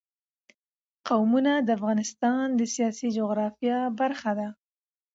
قومونه د افغانستان د سیاسي جغرافیه برخه ده.